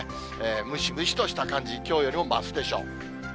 ムシムシとした感じ、きょうよりも増すでしょう。